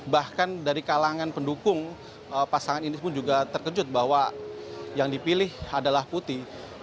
bahkan dari kalangan pendukung pasangan ini pun juga terkejut bahwa yang dipilih adalah putih